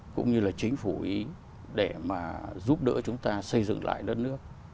cũng như là chính phủ ý để mà giúp đỡ chúng ta xây dựng lại đất nước